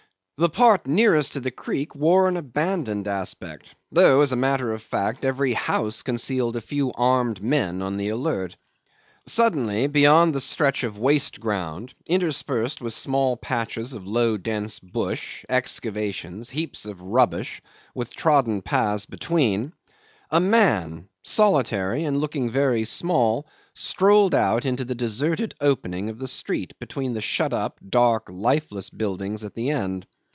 The part nearest to the creek wore an abandoned aspect, though as a matter of fact every house concealed a few armed men on the alert. Suddenly beyond the stretch of waste ground, interspersed with small patches of low dense bush, excavations, heaps of rubbish, with trodden paths between, a man, solitary and looking very small, strolled out into the deserted opening of the street between the shut up, dark, lifeless buildings at the end.